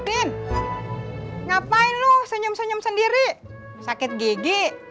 udin ngapain lo senyum senyum sendiri sakit gg